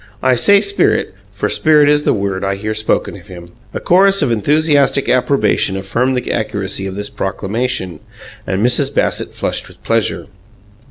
I say spirit, for spirit is the word I hear spoken of him." A chorus of enthusiastic approbation affirmed the accuracy of this proclamation, and Mrs. Bassett flushed with pleasure.